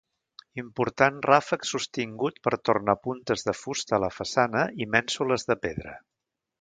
Important ràfec sostingut per tornapuntes de fusta a la façana i mènsules de pedra.